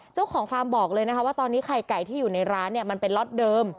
ฟาร์มบอกเลยนะคะว่าตอนนี้ไข่ไก่ที่อยู่ในร้านเนี่ยมันเป็นล็อตเดิม